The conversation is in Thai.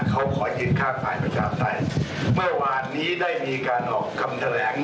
เขาขอยืนข้างฝ่ายประชาปไตยเมื่อวานนี้ได้มีการออกคำแถลง